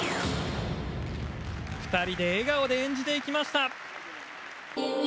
２人で笑顔で演じていきました。